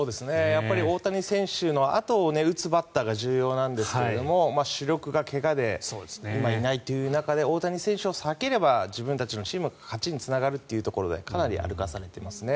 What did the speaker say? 大谷選手のあとを打つバッターが重要なんですけど主力が怪我で今いないという中で大谷選手を避ければ自分たちのチームが勝ちにつながるというところでかなり歩かされていますね。